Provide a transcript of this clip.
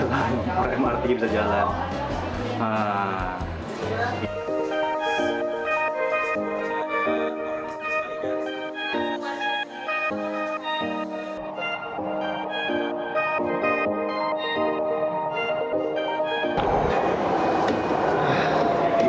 sama sekali kan tapi keretanya bisa jalan mrt bisa jalan